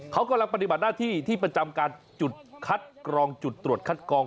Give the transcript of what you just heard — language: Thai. เขากำลังปฏิบัติหน้าที่ที่ประจำการจุดคัดกรองจุดตรวจคัดกรอง